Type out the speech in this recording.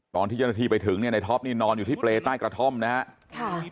ตอนที่เจ้าหน้าที่ไปถึงเนี่ยในท็อปนี่นอนอยู่ที่เปรย์ใต้กระท่อมนะครับ